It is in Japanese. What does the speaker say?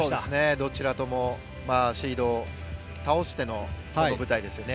どちらともシードを倒してのこの舞台ですよね。